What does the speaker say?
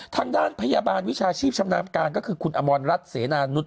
ทางด้านพยาบาลวิชาชีพชำนาญการก็คือคุณอมรรัฐเสนานุษ